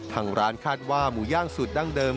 ทางร้านคาดว่าหมูย่างสูตรดั้งเดิม